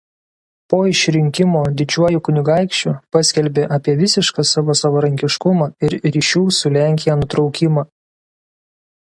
Po išrinkimo didžiuoju kunigaikščiu paskelbė apie visišką savo savarankiškumą ir ryšių su Lenkija nutraukimą.